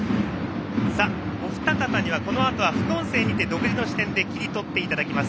お二方にはこのあとは副音声にて独自の視点で切り取っていただきます。